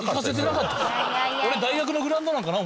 これ大学のグラウンドなんかな？